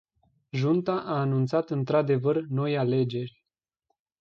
Junta a anunțat într-adevăr noi alegeri.